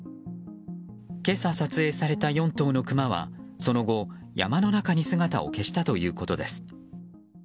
今朝撮影された４頭のクマはその後、山の中に姿を消したということです。